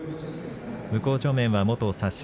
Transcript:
向正面は元薩洲